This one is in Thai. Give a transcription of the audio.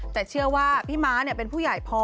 แต่เชื่อว่าพี่ม้าเป็นผู้ใหญ่พอ